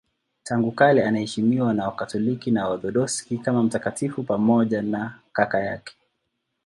Tangu kale anaheshimiwa na Wakatoliki na Waorthodoksi kama mtakatifu pamoja na kaka yake.